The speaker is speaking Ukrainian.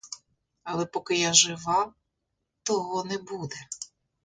Але поки я жива, того не буде.